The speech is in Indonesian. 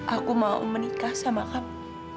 aku mau menikah sama aku